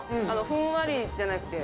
ふんわりじゃなくて。